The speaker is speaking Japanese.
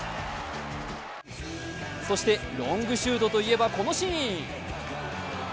そして、ロングシュートといえばこのシーン。